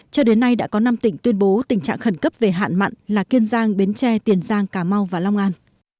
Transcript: cho đến nay đã có năm tỉnh tuyên bố tình trạng khẩn cấp về hạn mặn là kiên giang bến tre tiền giang cà mau và long an